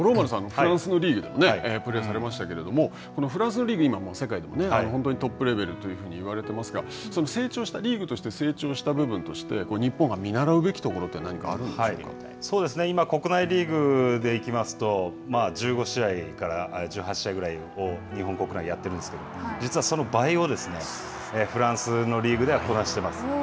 フランスのリーグでもプレーされましたけれども、フランスのリーグは世界でも本当にトップレベルというふうに言われていますが、リーグとして成長した部分として日本が見習うべきところは今、国内リーグでいきますと、１５試合から１８試合ぐらいを日本国内でやってるんですけれども、実はその倍をフランスのリーグではこなしています。